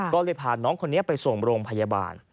ก็เลยพาน้องคนนี้ไปส่งโรงพยาบาล